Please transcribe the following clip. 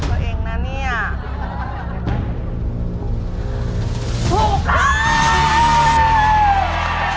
สวัสดีครับ